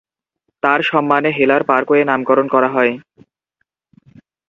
তাঁর সম্মানে হেলার পার্কওয়ে নামকরণ করা হয়।